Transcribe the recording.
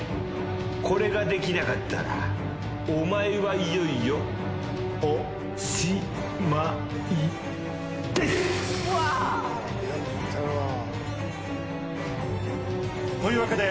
これができなかったら、お前はいよいよおしまいです。